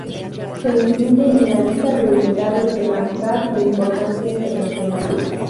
Se incluye en la Lista de Humedales Ramsar de importancia internacional.